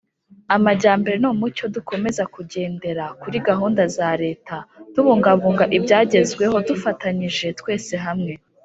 amajyambere nimucyo dukomeze kugendera kuri gahunda za leta tubungabunga ibyagezweho tufatanyije twese hamwe